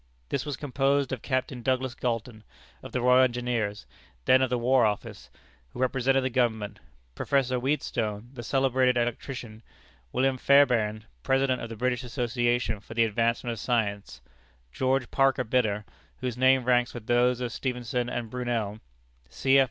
This was composed of Captain Douglas Galton, of the Royal Engineers, then of the War Office, who represented the Government; Professor Wheatstone, the celebrated electrician; William Fairbairn, President of the British Association for the Advancement of Science; George Parker Bidder, whose name ranks with those of Stephenson and Brunel; C. F.